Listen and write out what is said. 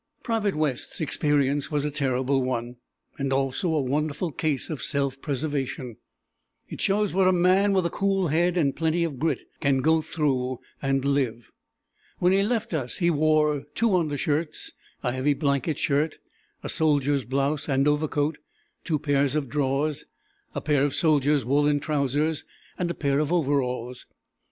Private West's experience was a terrible one, and also a wonderful case of self preservation. It shows what a man with a cool head and plenty of grit can go through and live. When he left us he wore two undershirts, a heavy blanket shirt, a soldier's blouse and overcoat, two pairs of drawers, a pair of soldier's woolen trousers, and a pair of overalls.